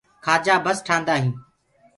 ڪآجآ بس ٽآندآ هينٚ۔